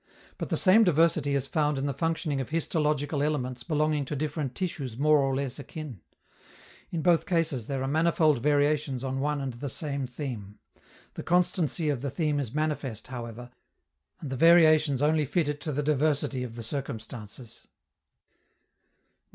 But the same diversity is found in the functioning of histological elements belonging to different tissues more or less akin. In both cases there are manifold variations on one and the same theme. The constancy of the theme is manifest, however, and the variations only fit it to the diversity of the circumstances.